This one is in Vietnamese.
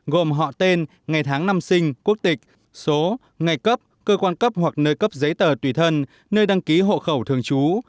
gồm họ tên ngày tháng năm sinh quốc tịch số ngày cấp cơ quan cấp hoặc nơi cấp giấy tờ tùy thân nơi đăng ký hộ khẩu thường trú